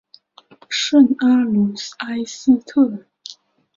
圣阿卢埃斯特尔。